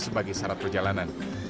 sebagai syarat perjalanan